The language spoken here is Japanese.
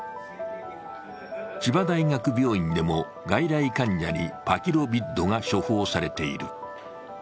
千葉大学病院でも外来患者にパキロビッドが処方されている。